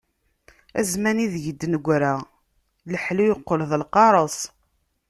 A zzman ideg d-negra, leḥlu yeqqel d lqareṣ.